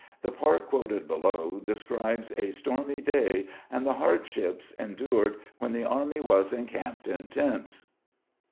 The part quoted below describes a stormy day and the hardships endured when the army was encamped in tents.